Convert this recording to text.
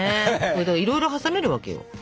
いろいろ挟めるわけよ。